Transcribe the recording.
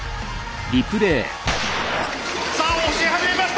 さあ押し始めました！